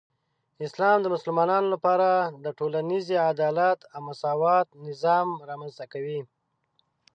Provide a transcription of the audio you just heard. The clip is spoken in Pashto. اسلام د مسلمانانو لپاره د ټولنیزې عدالت او مساوات نظام رامنځته کوي.